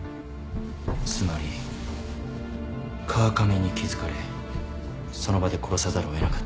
つまり川上に気付かれその場で殺さざるを得なかった。